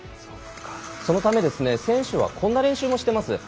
そのため選手はこんな練習もしています。